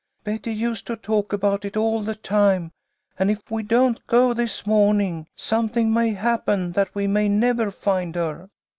Betty used to talk about it all the time, and if we don't go this morning, something may happen that we may never find her."